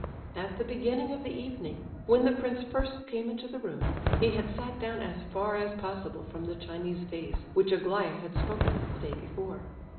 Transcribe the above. At the beginning of the evening, when the prince first came into the room, he had sat down as far as possible from the Chinese vase which Aglaya had spoken of the day before.